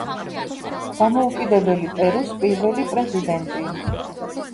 დამოუკიდებელი პერუს პირველი პრეზიდენტი.